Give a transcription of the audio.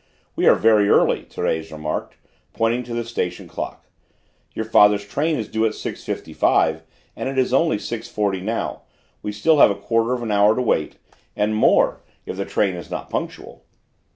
"We are very early," Thérèse remarked, pointing to the station clock in the distance. "Your father's train is due at 6.55, and it is only 6.40 now; we still have a quarter of an hour to wait, and more, if the train is not punctual!"